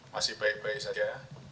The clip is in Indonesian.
masih baik baik saja